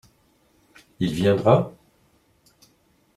Il viendra ?